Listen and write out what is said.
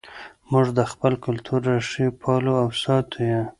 موږ د خپل کلتور ریښې پالو او ساتو یې.